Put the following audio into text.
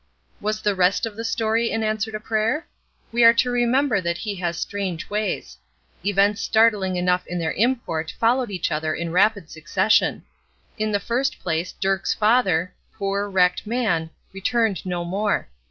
Was the rest of the story an answer to prayer? We are to remember that He has strange ways. Events startling enough in their import followed each other in rapid succession. In the first place, Dirk's father, poor, wrecked man, returned no more.